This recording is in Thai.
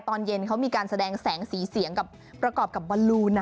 ตอนเย็นเขามีการแสดงแสงสีเสียงกับประกอบกับบอลลูน